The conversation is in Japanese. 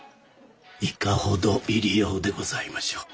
いかほど入り用でございましょう？